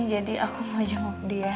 jadi aku mau jenguk dia